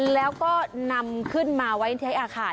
แล้วก็นำขึ้นมาไว้ในอาคาร